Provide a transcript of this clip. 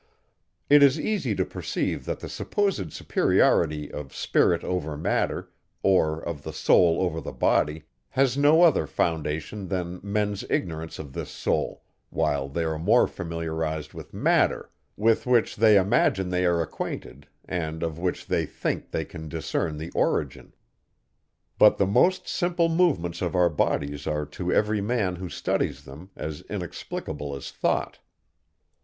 It is easy to perceive, that the supposed superiority of spirit over matter, or of the soul over the body, has no other foundation than men's ignorance of this soul, while they are more familiarized with matter, with which they imagine they are acquainted, and of which they think they can discern the origin. But the most simple movements of our bodies are to every man, who studies them, as inexplicable as thought.